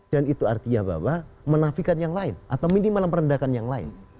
dan itu artinya menafikan yang lain atau minimal merendahkan yang lain